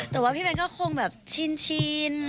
แต่ว่าพี่แมนก็คงชิน